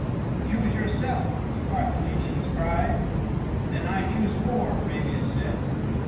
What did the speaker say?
"Choose yourself," the Carthaginians cried. "Then I choose war," Fabius said.